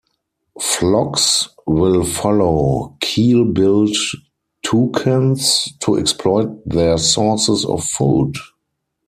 Flocks will follow keel-billed toucans to exploit their sources of food.